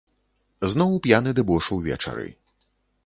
Зноў п'яны дэбош увечары.